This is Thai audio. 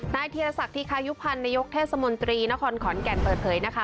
ธีรศักดิคายุพันธ์นายกเทศมนตรีนครขอนแก่นเปิดเผยนะคะ